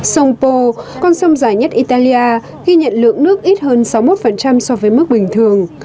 sông po con sông dài nhất italia ghi nhận lượng nước ít hơn sáu mươi một so với mức bình thường